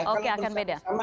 oke akan beda